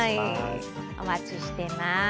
お待ちしています。